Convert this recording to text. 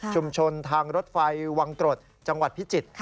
ทางรถไฟวังกรดจังหวัดพิจิตร